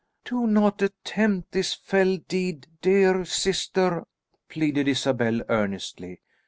"Do not attempt this fell deed, dear sister," pleaded Isabel earnestly.